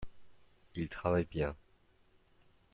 il travaille bien.